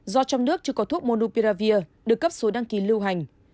do trong nước chưa có thuốc monupiravir được cấp số đăng ký lưu hành